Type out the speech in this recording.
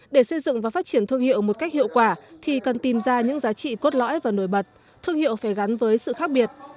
để xây dựng và phát triển thương hiệu một cách hiệu quả thì cần tìm ra những giá trị cốt lõi và nổi bật thương hiệu phải gắn với sự khác biệt